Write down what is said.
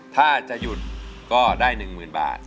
ถ้าจะหยุดก็ได้๑หมื่นบาท